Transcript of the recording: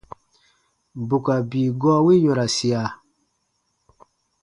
Bù ka bii gɔɔ wi yɔ̃rasia.